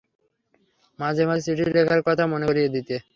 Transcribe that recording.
মাঝে মাঝে চিঠি লেখার কথা মনে করিয়ে দিতে।